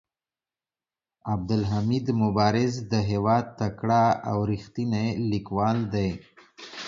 عبدالحمید مبارز د هيواد تکړه او ريښتيني ليکوال دي.